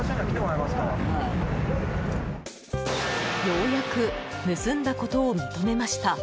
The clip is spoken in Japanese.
ようやく盗んだことを認めました。